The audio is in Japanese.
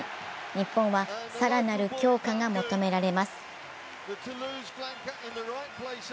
日本は更なる強化が求められます。